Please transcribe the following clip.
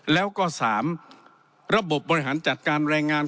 แล้วก็๓ระบบบบริหารจัดการแรงงาน